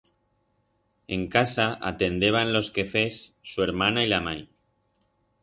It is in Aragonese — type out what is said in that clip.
En casa atendeban los quefers su ermana y la mai.